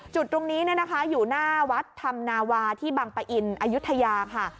จุดตรงนี้อยู่หน้าวัดธรรมนาวาที่บังปะอินอายุทยาค่ะ